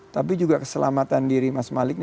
tapi juga keselamatan diri mas malik